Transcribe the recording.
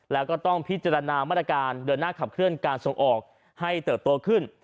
แล้วก็ต้องพิจารณามาตรการเดินหน้าขับเคลื่อนการส่งออกให้เติบโตขึ้น